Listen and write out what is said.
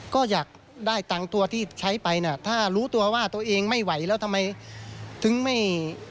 ก็อยากได้ตังค์ตัวที่ใช้ไปน่ะถ้ารู้ตัวว่าตัวเองไม่ไหวแล้วทำไมถึงไม่